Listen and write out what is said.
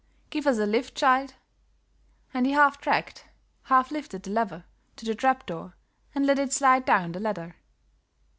Give us a lift, child," and he half dragged, half lifted the leather to the trap door and let it slide down the ladder.